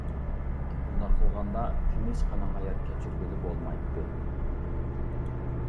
بۇنداق قىلغاندا تىنچقىنا ھايات كەچۈرگىلى بولمايتتى.